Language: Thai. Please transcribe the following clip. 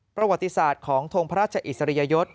ประวัติศาสตร์ของทงพระราชอิสริยยศ